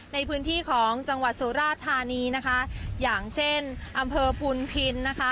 ในพื้นที่ของจังหวัดสุราธานีนะคะอย่างเช่นอำเภอพุนพินนะคะ